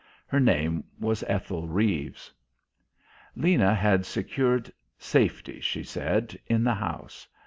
Her name was Ethel Reeves. Lena had secured safety, she said, in the house.